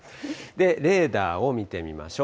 レーダーを見てみましょう。